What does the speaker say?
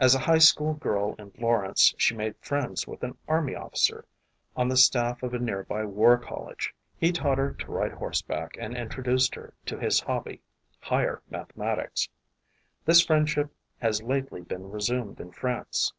As a high school girl in Lawrence she made friends with an army officer on the staff of a nearby war col lege. He taught her to ride horseback and introduced DOROTHY CANFIELD FISHER 301 her to his hobby, higher mathematics. This friend ship has lately been resumed in France.